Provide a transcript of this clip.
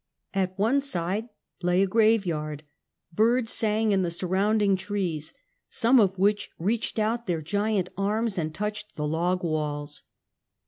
Atone side lay a grave yard; birds sang in the surrounding trees, some of which reached out their giant arms and touched the losr walls.